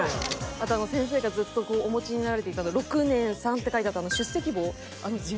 あと先生がずっとお持ちになられていた「６年３」って書いてあったあの出席簿。